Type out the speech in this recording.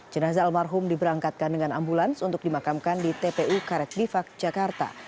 jenazah almarhum diberangkatkan dengan ambulans untuk dimakamkan di tpu karet bifak jakarta